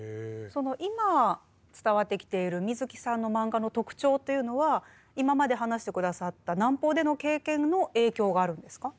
今伝わってきている水木さんの漫画の特徴というのは今まで話して下さった南方での経験の影響があるんですか？